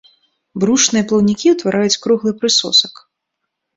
Брушныя плаўнікі ўтвараюць круглы прысосак.